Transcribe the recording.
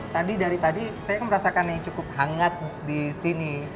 tadi dari tadi saya merasakan yang cukup hangat di sini